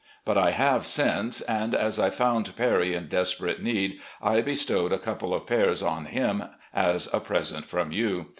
But I have since, and as I found Perry in desperate need, I bestowed a couple of pairs on him, as a present from you.